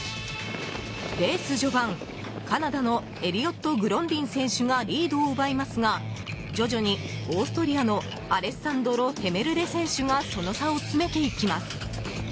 レース序盤、カナダのエリオット・グロンディン選手がリードを奪いますが徐々にオーストリアのアレッサンドロ・ヘメルレ選手がその差を詰めていきます。